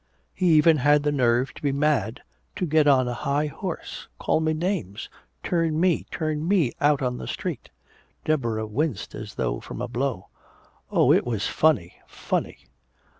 He even had the nerve to be mad, to get on a high horse, call me names! Turn me! turn me out on the street!" Deborah winced as though from a blow. "Oh, it was funny, funny!"